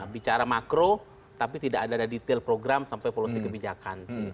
bicara makro tapi tidak ada detail program sampai polusi kebijakan